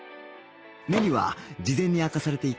メニューは事前に明かされていた